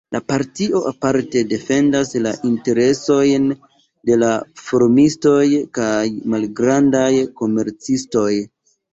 La partio aparte defendas la interesojn de la farmistoj kaj malgrandaj komercistoj.